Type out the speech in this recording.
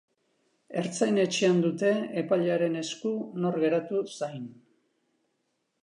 Ertzain-etxean dute, epailearen esku nor geratu zain.